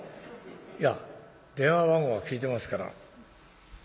いや電話番号は聞いてますから。